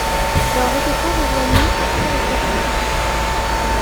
Leur rejeton rejoignit pourtant le service public.